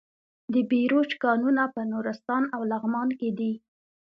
د بیروج کانونه په نورستان او لغمان کې دي.